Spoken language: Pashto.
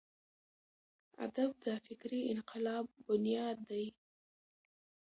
ادب د فکري انقلاب بنیاد دی.